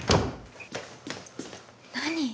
何？